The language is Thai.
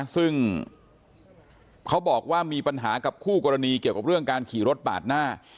ซึ่งเขาบอกว่ามีปัญหากับคู่กรณีเกี่ยวกับเรื่องการขี่รถปาดหน้า